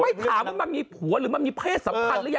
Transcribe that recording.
ไม่ถามว่ามันมีผัวหรือมันมีเพศสัมพันธ์